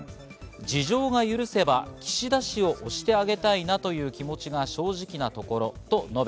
事情が許せば岸田氏を推してあげたいなという気持ちが正直なところと述べ、